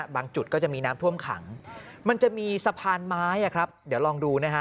จุดก็จะมีน้ำท่วมขังมันจะมีสะพานไม้ครับเดี๋ยวลองดูนะฮะ